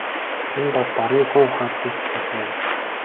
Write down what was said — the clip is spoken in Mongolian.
Энэ бол дорнын гүн ухааны сэтгэлгээ юм.